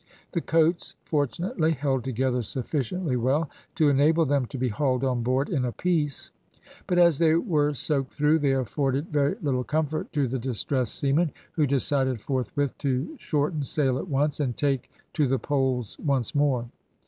The coats, fortunately, held together sufficiently well to enable them to be hauled on board in a piece; but as they were soaked through, they afforded very little comfort to the distressed seamen, who decided forthwith to shorten sail at once, and take to the poles once more.